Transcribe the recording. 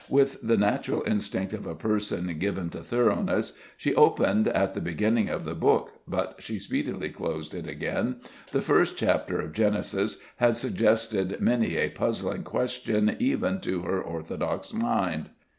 With the natural instinct of a person given to thoroughness, she opened at the beginning of the book, but she speedily closed it again the first chapter of Genesis had suggested many a puzzling question even to her orthodox mind.